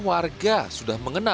kalau yang sana